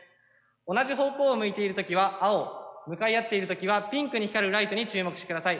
同じ方向を向いている時は青向かい合っている時はピンクに光るライトに注目してください。